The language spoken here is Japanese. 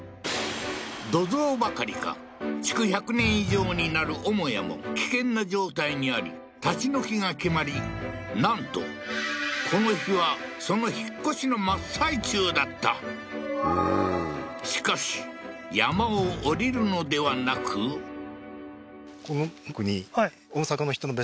土蔵ばかりか築１００年以上になる母屋も危険な状態にあり立ち退きが決まりなんとこの日はそのしかし山を下りるのではなくえっ